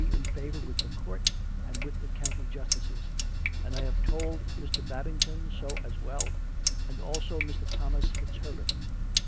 in favour with the Court and with the county justices. And I have told Mr. Babington so as well, and also Mr. Thomas FitzHerbert.